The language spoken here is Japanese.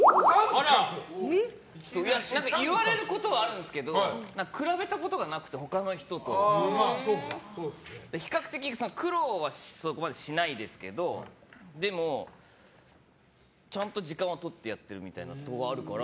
言われることはあるんですけど比べたことがなくて、他の人と。比較的苦労はそこまでしないですけどでもちゃんと時間をとってやってることもあるから。